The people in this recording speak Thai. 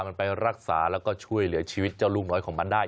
มันไปรักษาแล้วก็ช่วยเหลือชีวิตเจ้าลูกน้อยของมันได้